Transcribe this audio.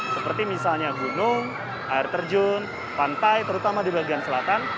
seperti misalnya gunung air terjun pantai terutama di bagian selatan